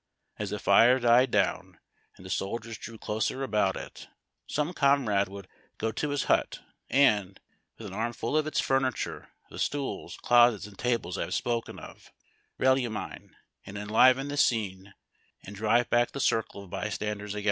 As the fire died down and the soldiers drew closer about it, some comrade would go to his hut, and, with an armful of its furniture, the stools, closets, and tables I have spoken of, reillumine and en liven the scene and drive back the circle of bystanders again.